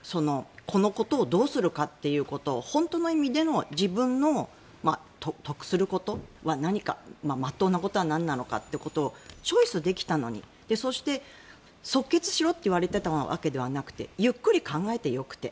このことをどうするかということを本当の意味での自分の得することは何か真っ当なことはなんなのかということをチョイスできたのにそして即決しろと言われていたわけではなくてゆっくり考えてよくて。